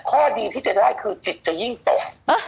ข้อดีที่จะได้คือจิตจะยิ่งตก